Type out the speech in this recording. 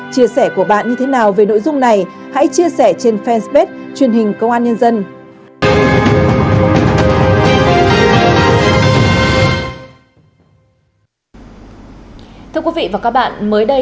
chia sẻ của bạn như thế nào về nội dung này hãy chia sẻ trên fanpage truyền hình công an nhân dân